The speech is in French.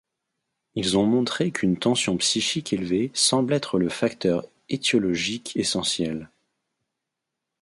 Ils ont montré qu’une tension psychique élevée semble être le facteur étiologique essentiel.